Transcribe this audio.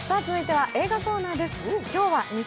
続いて映画コーナーです。